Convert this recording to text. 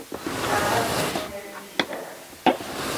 Ambas pueden ser visitadas.